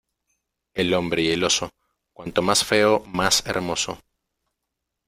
El hombre y el oso cuanto más feo más hermoso.